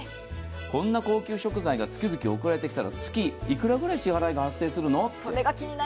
こんな高級食材が月々送られてきたら月いくらぐらい支払いが発生するのと。